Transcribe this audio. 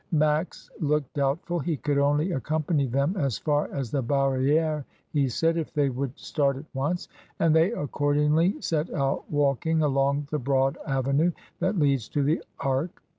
Max looked doubtful; "he could only accompany them as far as the Barri^re," he said, "if they would start at once;" and they accordingly set out walk ing along the broad avenue that leads to the Arc.